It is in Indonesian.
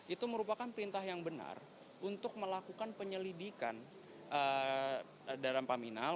itu merupakan perintah yang benar untuk melakukan penyelidikan dalam paminal